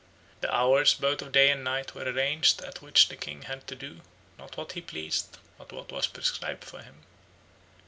... The hours both of day and night were arranged at which the king had to do, not what he pleased, but what was prescribed for him.